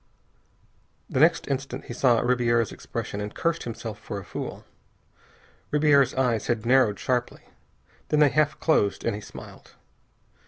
The next instant he saw Ribiera's expression, and cursed himself for a fool. Ribiera's eyes had narrowed sharply. Then they half closed, and he smiled.